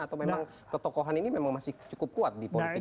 atau memang ketokohan ini memang masih cukup kuat di politik